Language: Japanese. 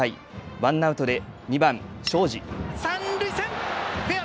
ワンアウトで２番・東海林。